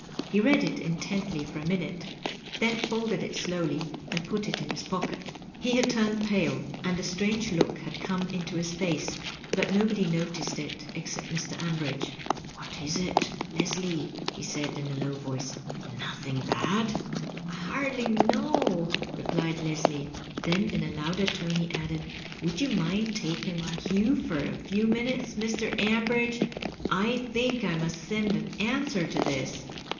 He read it intently for a minute, then folded it slowly and put it in his pocket. He had turned pale, and a strange look had come into his face, but no^ body noticed it except Mr. Ambridge. " What is it, Leslie ?" he said in a low voice. "Notb ingbad?" "I hardly know," replied Leslie. Then in a louder tone he added, "Would you mind taking my cue for a few minutes, Mr. Ambridge ? I think I must send an answer to this."